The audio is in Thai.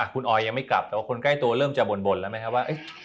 คุณออยยังไม่กลับแต่ว่าคนใกล้ตัวเริ่มจะบ่นแล้วไหมครับว่า